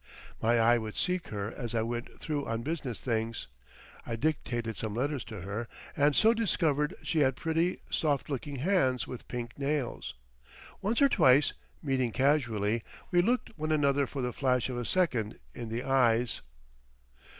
My eye would seek her as I went through on business things—I dictated some letters to her and so discovered she had pretty, soft looking hands with pink nails. Once or twice, meeting casually, we looked one another for the flash of a second in the eyes.